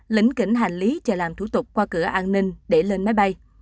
lĩnh kính hành lý chờ làm thủ tục qua cửa an ninh để lên máy bay